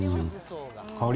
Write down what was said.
香り